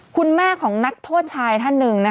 คุณแม่ของนักโทษชายท่านหนึ่ง